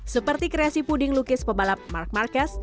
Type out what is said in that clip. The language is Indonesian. seperti kreasi puding lukis pebalap mark marquez